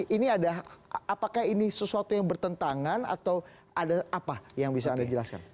ini ada apakah ini sesuatu yang bertentangan atau ada apa yang bisa anda jelaskan